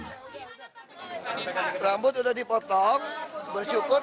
rambut sudah dipotong bersyukur